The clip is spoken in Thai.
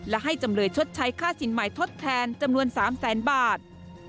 และให้จำเลยชดใช้ค่าสินใหม่ทดแทนจำนวน๓แสนบาท